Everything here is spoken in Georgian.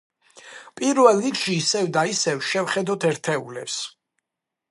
პირველ რიგში, ისევ და ისევ შევხედოთ ერთეულებს.